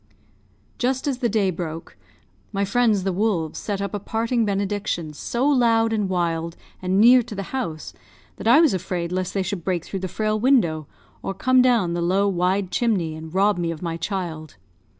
Just as the day broke, my friends the wolves set up a parting benediction, so loud, and wild, and near to the house, that I was afraid lest they should break through the frail window, or come down the low wide chimney, and rob me of my child.